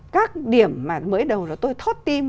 các điểm mà mới đầu tôi thót tim